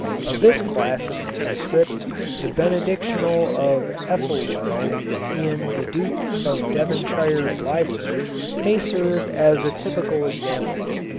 Of this class of manuscript the Benedictional of Æthelwold, in the Duke of Devonshire's library, may serve as a typical example.